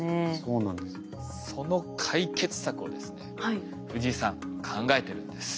その解決策をですね藤井さん考えてるんです。